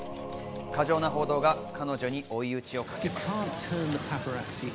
過剰な報道が彼女に追い打ちをかけます。